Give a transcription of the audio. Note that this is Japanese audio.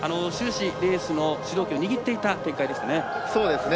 終始、レースの主導権を握っていた展開でしたね。